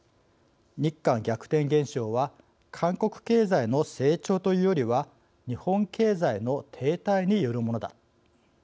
「日韓逆転」現象は韓国経済の成長というよりは日本経済の停滞によるものだ」